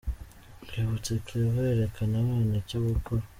Rwibutso Claver yereka abana icyo gukora.